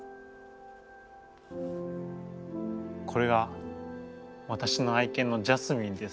これがわたしの愛犬のジャスミンです。